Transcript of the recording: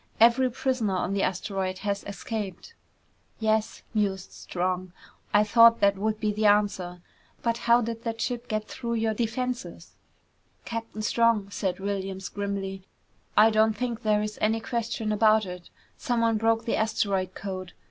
Every prisoner on the asteroid has escaped!" "Yes," mused Strong. "I thought that would be the answer. But how did that ship get through your defenses?" "Captain Strong," said Williams grimly, "I don't think there is any question about it. Someone broke the asteroid code.